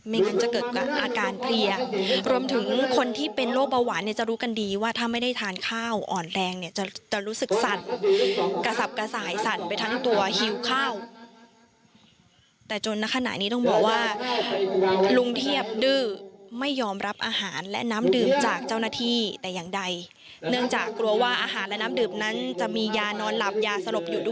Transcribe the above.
งั้นจะเกิดอาการเพลียรวมถึงคนที่เป็นโรคเบาหวานเนี่ยจะรู้กันดีว่าถ้าไม่ได้ทานข้าวอ่อนแรงเนี่ยจะจะรู้สึกสั่นกระสับกระส่ายสั่นไปทั้งตัวหิวข้าวแต่จนในขณะนี้ต้องบอกว่าลุงเทียบดื้อไม่ยอมรับอาหารและน้ำดื่มจากเจ้าหน้าที่แต่อย่างใดเนื่องจากกลัวว่าอาหารและน้ำดื่มนั้นจะมียานอนหลับยาสลบอยู่ด้วย